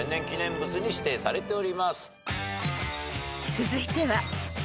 ［続いては］